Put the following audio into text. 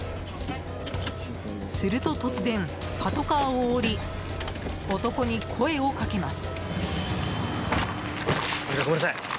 すると、突然パトカーを降り男に声をかけます。